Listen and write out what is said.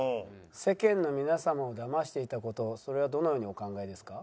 「世間の皆様をだましていた事それはどのようにお考えですか？」。